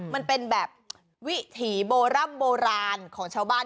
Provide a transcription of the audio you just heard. มันเป็นแบบวิถีโบร่ำโบราณของชาวบ้าน